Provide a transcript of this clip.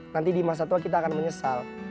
nanti di masa tua kita akan menyesal